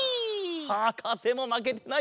はかせもまけてないぞ。